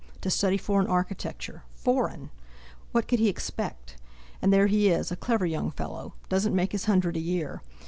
—to study foreign architecture—foreign! What could he expect? And there he is—a clever young fellow—doesn't make his hundred a year!